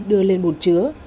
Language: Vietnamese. đưa lên bồn chứa